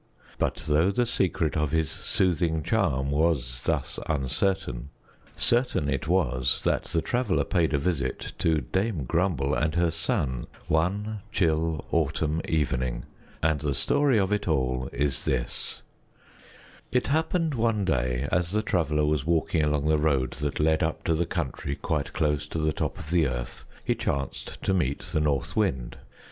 But though the secret of his soothing charm was thus uncertain, certain it was that the Traveler paid a visit to Dame Grumble and her son one chill autumn evening, and the story of it all is this: It happened one day, as the Traveler was walking along the road that led up to the country quite close to the top of the earth, he chanced to meet the North Wind.